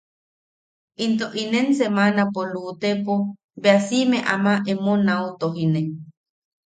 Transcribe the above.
Into inen semanata luʼutepo bea siʼime ama emo nau tojine.